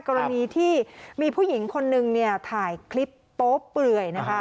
กรณีที่มีผู้หญิงคนหนึ่งถ่ายคลิปโต๊ะเปลื่อย